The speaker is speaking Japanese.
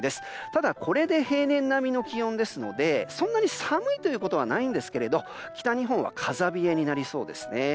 ただ、これで平年並みの気温ですのでそんなに寒いということはないんですが北日本は風冷えになりそうです。